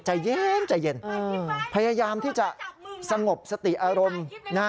ใจเย็นพยายามที่จะสงบสติอารมณ์